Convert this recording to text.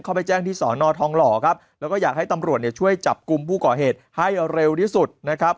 ไปแจ้งที่สอนอทองหล่อครับแล้วก็อยากให้ตำรวจเนี่ยช่วยจับกลุ่มผู้ก่อเหตุให้เร็วที่สุดนะครับ